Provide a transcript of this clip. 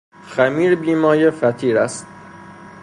خمیر بیمایه فطیر است.